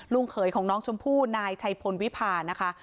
เขยของน้องชมพู่นายชัยพลวิพานะคะ